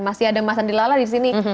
masih ada mas andi lala di sini